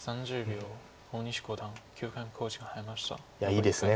いいですね